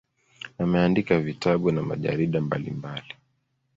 Ameandika vitabu na majarida mbalimbali.